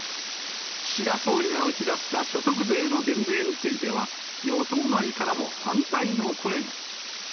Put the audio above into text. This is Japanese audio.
岸田総理が打ち出した所得税の減税については、与党内からも反対の声が。